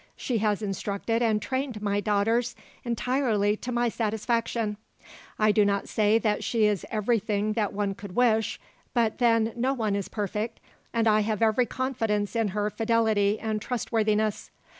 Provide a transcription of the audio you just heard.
She has instructed and trained my daughters entirely to my satisfaction. I do not say that she is everything that one could wish, but, then, no one is perfect, and I have every confidence in her fidelity and trustworthiness.